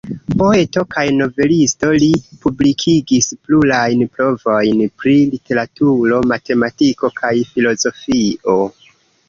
Poeto kaj novelisto, li publikigis plurajn provojn pri literaturo, matematiko kaj filozofio.